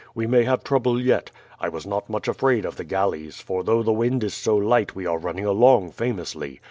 We may have trouble yet. I was not much afraid of the galleys, for though the wind is so light we are running along famously.